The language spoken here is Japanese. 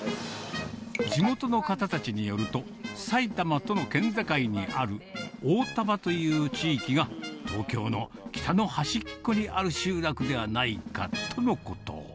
地元の方たちによると、埼玉との県境にある大丹波という地域が、東京の北の端っこにある集落ではないかとのこと。